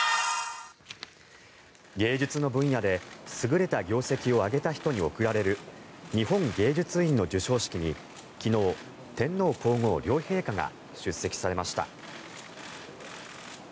芸術の分野で優れた業績を上げた人に贈られる日本芸術院の授賞式に昨日、天皇・皇后両陛下が出席されました。